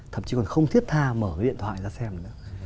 thậm chí còn không thiết tha mở cái điện thoại ra xem nữa